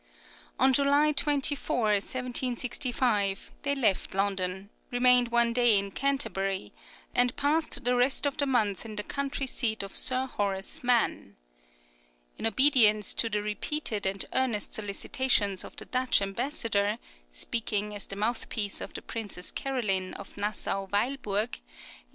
[20039] On July 24, 1765, they left London, remained one day in Canterbury, and passed the rest of the month at the country seat of Sir Horace Mann. In obedience to the repeated and earnest solicitations of the Dutch Ambassador, speaking as the mouthpiece of the Princess Caroline, of Nassau Weilburg, L.